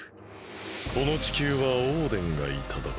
この地球はオーデンがいただく。